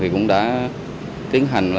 cũng đã tiến hành